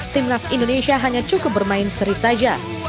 timnas indonesia hanya cukup bermain seri saja